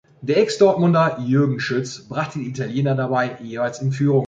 Der Ex-Dortmunder Jürgen Schütz brachte die Italiener dabei jeweils in Führung.